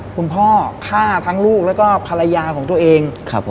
คุณพ่อฆ่าทั้งลูกแล้วก็ภรรยาของตัวเอง